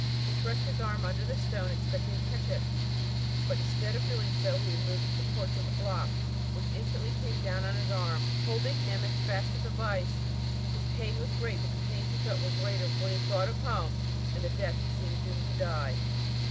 He thrust his arm under the stone, expecting to catch it; but instead of doing so, he removed the supports of the block, which instantly came down on his arm, holding him as fast as a vice. His pain was great; but the pangs he felt were greater when he thought of home, and the death he seemed doomed to die.